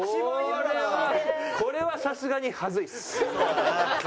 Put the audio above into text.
これはさすがに恥ずいです。